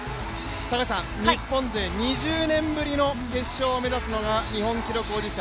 日本勢２０年ぶりの決勝を目指すのが日本記録保持者